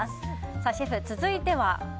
さあシェフ、続いては？